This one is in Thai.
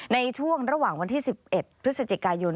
ในช่วงระหว่างวันที่๑๑พฤศจิกายน